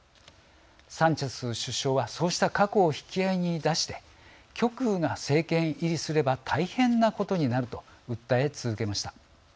サンチェス首相はそうした過去を引き合いに出して極右が政権入りすれば大変なことになると訴え続けました。